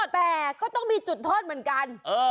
แต่ก็ต้องมีจุดโทษเหมือนกัน